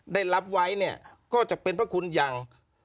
ได้รับไว้เนี่ยก็จะเป็นพระคุณอย่าง